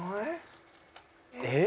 えっ？